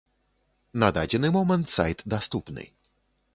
На дадзены момант сайт даступны.